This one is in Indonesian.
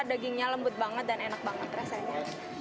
dagingnya lembut banget dan enak banget rasanya